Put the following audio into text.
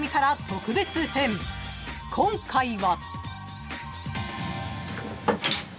［今回は］